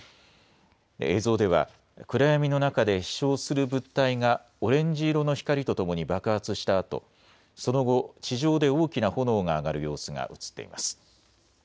映像では暗闇の中で飛しょうする物体がオレンジ色の光とともに爆発したあとその後、地上で大きな炎が上がる様子が写っています。